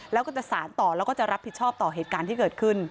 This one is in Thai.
แล้วก็จะสารต่อแล้วก็จะรับผิดชอบต่อเหตุการณ์ที่เกิดขึ้น